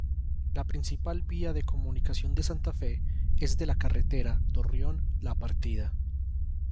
La principal vía de comunicación de Santa Fe es de la Carretera Torreón-La Partida.